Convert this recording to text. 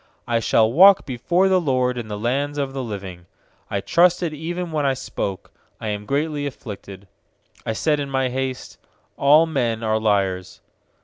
9I shall walk before the LORD In the lands of the living. 10I trusted even when I spoke: 'I am greatly afflicted.' UI said in my haste: 'All men are liars.'